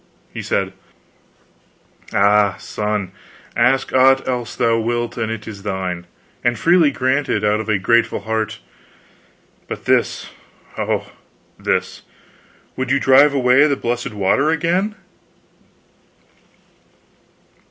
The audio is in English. He said: "Ah, son, ask aught else thou wilt, and it is thine, and freely granted out of a grateful heart but this, oh, this! Would you drive away the blessed water again?"